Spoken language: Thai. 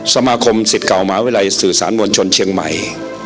สมาคมสิทธิ์เก่ามหาวิทยาลัยสื่อสารมวลชนเชียงใหม่